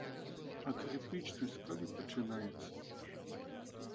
А крытычнасць калі пачынаецца?